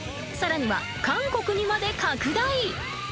更には韓国にまで拡大。